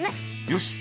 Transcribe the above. よし！